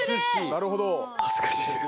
なるほど。